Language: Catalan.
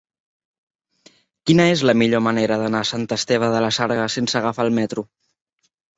Quina és la millor manera d'anar a Sant Esteve de la Sarga sense agafar el metro?